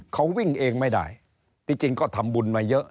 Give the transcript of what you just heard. เขาวิ่งเองไม่ได้ที่จริงก็ทำบุญมาเยอะ